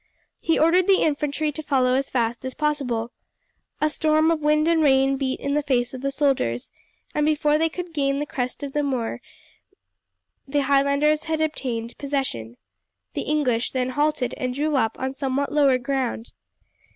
He ordered the infantry to follow as fast as possible. A storm of wind and rain beat in the face of the soldiers, and before they could gain the crest of the muir the Highlanders had obtained possession. The English then halted and drew up on somewhat lower ground.